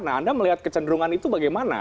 nah anda melihat kecenderungan itu bagaimana